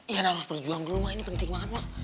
yan harus berjuang dulu ma ini penting banget ma